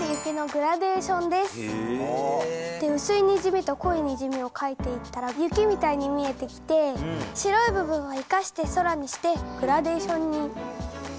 薄いにじみと濃いにじみをかいていったら雪みたいに見えてきて白い部分は生かして空にしてグラデーションになりました。